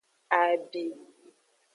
Abi.